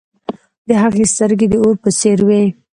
د هغه سترګې د اور په څیر وې.